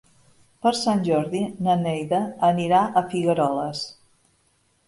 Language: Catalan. Per Sant Jordi na Neida anirà a Figueroles.